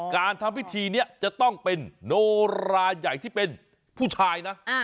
การทำพิธีนี้จะต้องเป็นโนราใหญ่ที่เป็นผู้ชายนะ